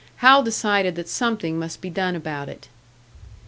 Hal decided that something must be done about it.